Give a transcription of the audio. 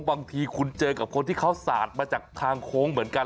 บางทีคุณเจอกับคนที่เขาสาดมาจากทางโค้งเหมือนกัน